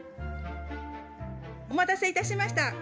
お待たせいたしました。